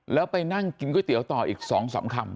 แล้วไปนั่งกินก๋วยเตี๋ยวต่ออีก๒๓คำ